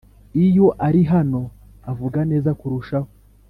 Iyo ari hano avuga neza kurushaho